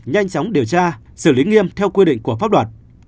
nhanh chóng điều tra xử lý nghiêm theo quy định của pháp luật